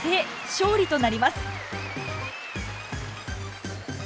勝利となります。